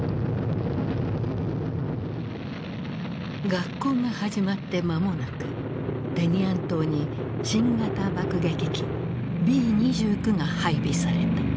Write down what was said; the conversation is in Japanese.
学校が始まって間もなくテニアン島に新型爆撃機Ｂ２９が配備された。